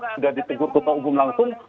sudah ditegur ketua umum langsung